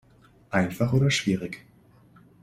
Einfach oder schwierig?